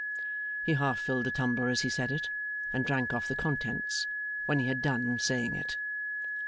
He half filled the tumbler as he said it, and drank off the contents when he had done saying it.